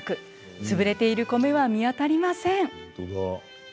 潰れている米は見当たりません。